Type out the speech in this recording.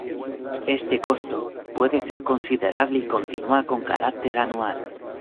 Este costo puede ser considerable y continúa con carácter anual.